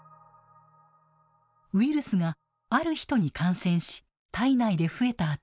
ウイルスが、ある人に感染し体内で増えた